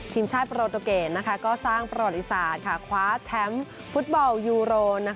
ทีมชาติโปรตูเกตก็สร้างประวัติศาสตร์คว้าแชมป์ฟุตบอลยูโร